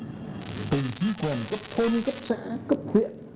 tùy quyền cấp thôn cấp xã cấp huyện